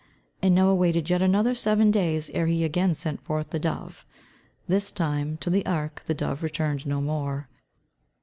And Noah waited yet another seven days ere he again sent forth the dove. This time, to the ark, the dove returned no more.